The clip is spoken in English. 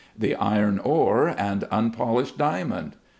The iron ore, and the unpolished diamond